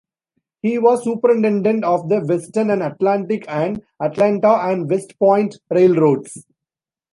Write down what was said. He was superintendent of the Western and Atlantic and Atlanta and West Point Railroads.